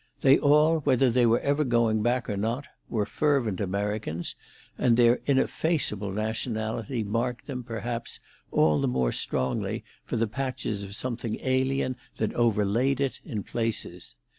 They all, whether they were ever going back or not, were fervent Americans, and their ineffaceable nationality marked them, perhaps, all the more strongly for the patches of something alien that overlaid it in places.